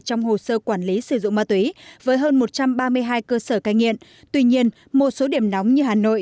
trong hồ sơ quản lý sử dụng ma túy với hơn một trăm ba mươi hai cơ sở cai nghiện tuy nhiên một số điểm nóng như hà nội